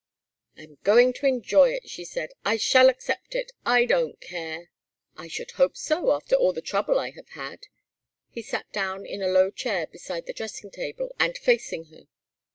"I am going to enjoy it," she said. "I shall accept it. I don't care!" "I should hope so, after all the trouble I have had." He sat down in a low chair beside the dressing table and facing her.